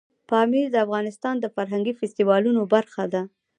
پامیر د افغانستان د فرهنګي فستیوالونو برخه ده.